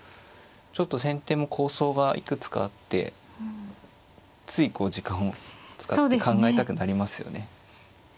ちょっと先手も構想がいくつかあってついこう時間を使って考えたくなりますよね。